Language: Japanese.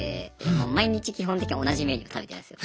毎日基本的に同じメニュー食べてるんですよ。